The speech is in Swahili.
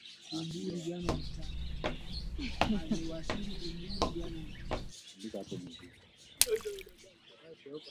Sinisumbuwe akili, nakusihi e mwandani,